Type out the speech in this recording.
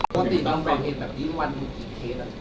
ปกติน้องบอกเห็นแบบนี้วันอีกเคสอ่ะ